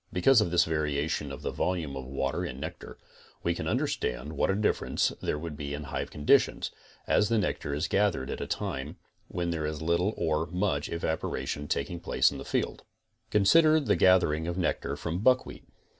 Because of this varie tion of the volume of water in nectar, we can understand what a differance there would be in hive conditions, as the nectar is gathered at a time when there is little or much evaporation tak ing place in the field. Consider the gathering of nectar from buckwheat.